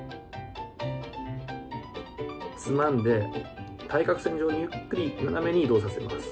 つまんで、対角線上にゆっくり斜めに移動させます。